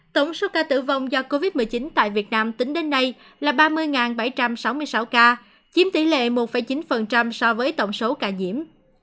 tổng số ca tử vong do covid một mươi chín tại việt nam tính đến nay là ba mươi bảy trăm sáu mươi sáu ca chiếm tỷ lệ một chín so với tổng số ca nhiễm